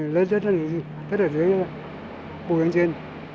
lớt lớt lên tất ở dưới bụi lên trên